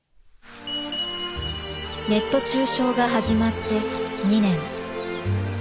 ネット中傷が始まって２年。